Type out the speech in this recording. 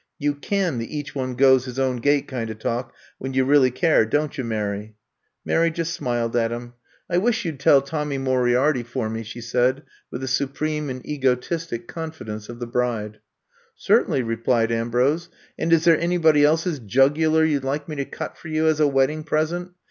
You can the each one goes his own gait kind of talk, when you really care, don 't you, Mary f '' Mary just smiled at him. I wish you 'd I'VE COME TO STAY 111 tell Tommy Moriarity for me/' she said with the supreme and egotistic confidence of the bride. Certainly, '^ replied Ambrose. And is there anybody's else jugular you 'd like me to cut for you, as a wedding present?